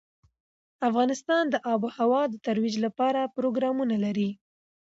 افغانستان د آب وهوا د ترویج لپاره پروګرامونه لري.